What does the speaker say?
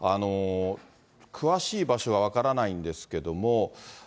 詳しい場所は分からないんですけども